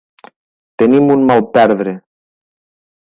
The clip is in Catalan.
Tenim un mal perdre!